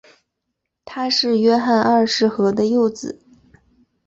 他是约翰二世和的幼子。